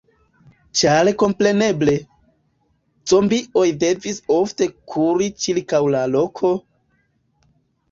Ĉar kompreneble, zombioj devis ofte kuri ĉirkaŭ la loko...